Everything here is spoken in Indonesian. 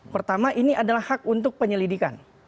pertama ini adalah hak untuk penyelidikan